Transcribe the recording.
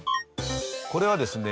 これはですね